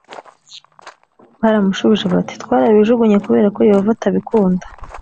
baramushubije bati twarabijugunye kubera ko yehova atabikunda